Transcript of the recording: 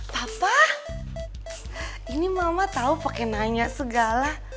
papa ini mama tau pake nanya segala